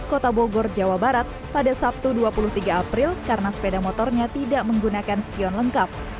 kota bogor jawa barat pada sabtu dua puluh tiga april karena sepeda motornya tidak menggunakan spion lengkap